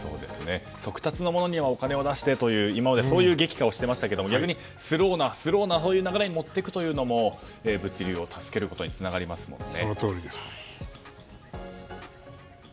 速達のものにはお金を出してという今までそういうことをしていましたけど逆にスローな流れに持っていくというのも物流を助けることにつながりますもんね。